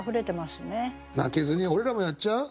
負けずに俺らもやっちゃう？